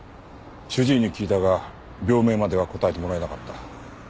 主治医に聞いたが病名までは答えてもらえなかった。